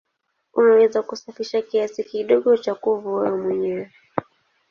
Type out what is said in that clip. Unaweza kusafisha kiasi kidogo cha kuvu wewe mwenyewe.